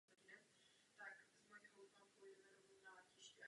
Zápisy se o ní nezmiňují.